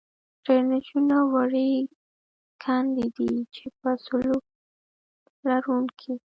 ټرینچونه وړې کندې دي، چې په سلوپ لرونکې.